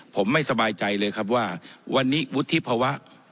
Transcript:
ผมไม่สบายใจเลยครับว่าวันนี้วุฒิภาวะ